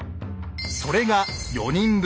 それが４人分。